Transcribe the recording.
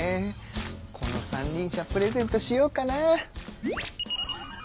この三輪車プレゼントしようかな。